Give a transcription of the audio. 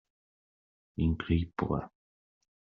Increïble.